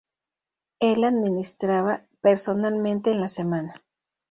Él la administraba personalmente en la semana.